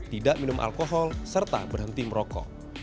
tidak minum alkohol serta berhenti merokok